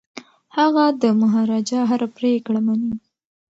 هغه د مهاراجا هره پریکړه مني.